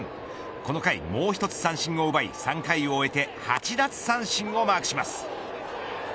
この回もう１つ三振を奪い３回を終えて８奪三振をマークします。